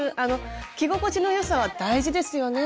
着心地のよさは大事ですよね。